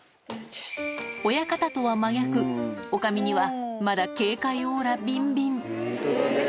親方とは真逆、おかみには、まだ警戒オーラびんびん。